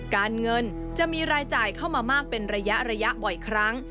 การเงินจะมีรายจ่ายเข้ามามากเป็นระยะบ่อยครั้ง